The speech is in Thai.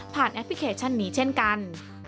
แอปพลิเคชันนี้เช่นกัน